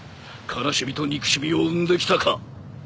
悲しみと憎しみを生んできたか？